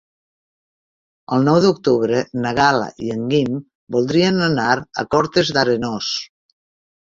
El nou d'octubre na Gal·la i en Guim voldrien anar a Cortes d'Arenós.